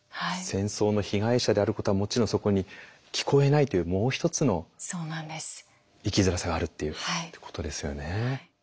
戦争の被害者であることはもちろんそこに聞こえないというもう一つの生きづらさがあるっていうことですよね。